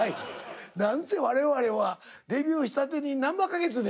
なんせ我々はデビューしたてになんば花月で。